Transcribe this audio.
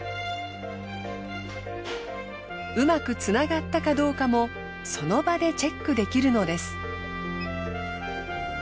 うまくつながったかどうかもその場でチェックできるのです。